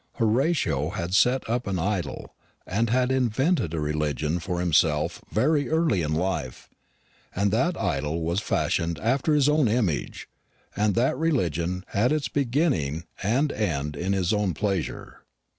Horatio had set up an idol and had invented a religion for himself very early in life; and that idol was fashioned after his own image, and that religion had its beginning and end in his own pleasure.